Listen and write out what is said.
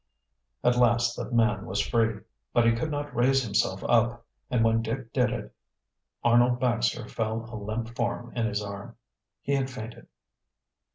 At last the man was free. But he could not raise himself up, and when Dick did it Arnold Baxter fell a limp form in his arm. He had fainted.